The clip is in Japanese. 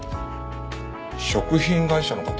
食品会社の方。